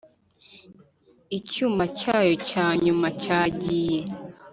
icyuma cyayo cya nyuma cyagiye